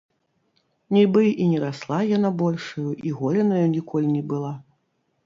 Нібы і не расла яна большаю, і голенаю ніколі не была.